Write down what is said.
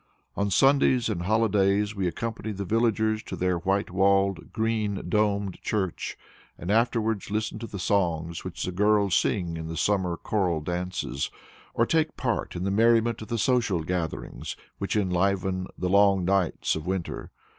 On Sundays and holidays we accompany the villagers to their white walled, green domed church, and afterwards listen to the songs which the girls sing in the summer choral dances, or take part in the merriment of the social gatherings, which enliven the long nights of winter.